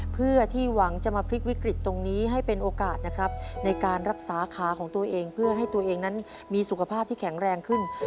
เพื่อที่หวังจะมาพลิกวิกฤตตรงนี้ให้เป็นโอกาสนะครับในการรักษาขาของตัวเองเพื่อให้ตัวเองนั้นมีสุขภาพที่แข็งแรงขึ้น